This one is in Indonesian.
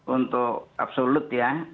untuk absolut ya